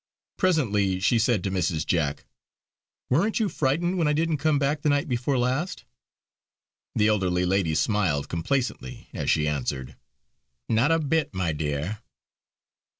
Presently she said to Mrs. Jack: "Weren't you frightened when I didn't come back the night before last?" The elderly lady smiled complacently as she answered: "Not a bit, my dear!"